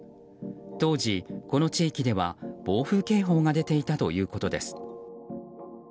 当時、この地域では暴風警報が出ていたということです。